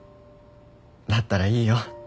だったらいいよ。